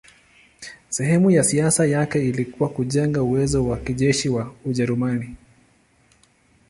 Sehemu ya siasa yake ilikuwa kujenga uwezo wa kijeshi wa Ujerumani.